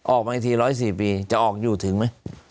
ออกมาอีกที๑๐๔ปีจะออกอยู่ถึงไหม